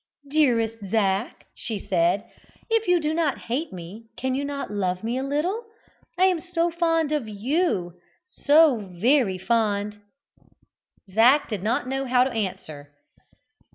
"Dearest Zac," she said, "if you do not hate me cannot you love me a little? I am so fond of you so very fond." Zac did not know how to answer.